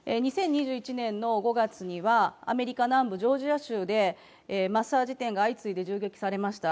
２０２１年５月にはアメリカ南部ジョージア州でマッサージ店が相次いで銃撃されました。